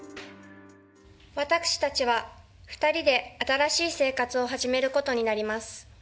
私たちは、２人で新しい生活を始めることになります。